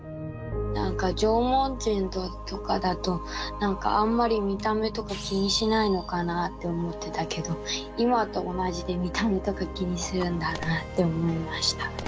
なんか縄文人とかだとなんかあんまり見た目とか気にしないのかなあって思ってたけど今と同じで見た目とか気にするんだなあって思いました。